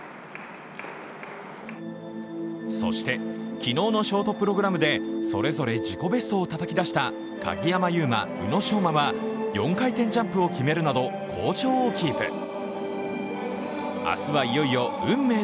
そして、昨日のショートプログラムでそれぞれ自己ベストをたたき出した鍵山優真、宇野昌磨は４回転ジャンプを決めるなど好調をキープ。